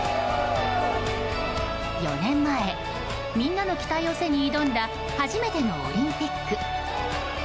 ４年前、みんなの期待を背に挑んだ初めてのオリンピック。